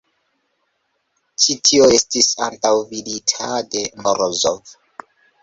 Ĉi tio estis antaŭvidita de Morozov.